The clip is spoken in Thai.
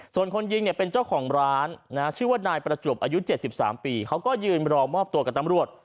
ส่วนคนยิงเนี่ยเป็นเจ้าของร้านชื่อว่านายประจวบอายุ๗๓ปีเขาก็ยืนรอมอบตัวกับตำรวจ